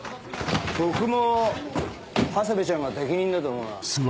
僕も長谷部ちゃんが適任だと思うな。